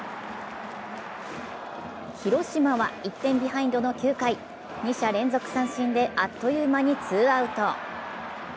広島は１点ビハインドの９回、二者連続三振であっという間にツーアウト。